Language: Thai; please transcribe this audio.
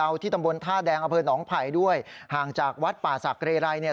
ดาร์ที้ตัมบนถ้าแดงอเภอหนองไผ่ด้วยห่างจากวัดป่าศักริรายเนี่ย